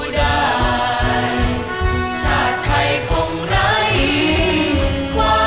เมืองไทย